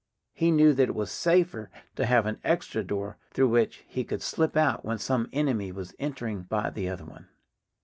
He knew that it was safer to have an extra door through which he could slip out when some enemy was entering by the other one.